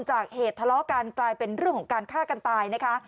จากเหตุทะเลาะกันกลายเป็นเรื่องของการฆ่ากันตายนะคะ